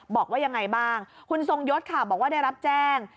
บอกว่ายังไงบ้างคุณทรงยศค่ะบอกว่าได้รับแจ้ง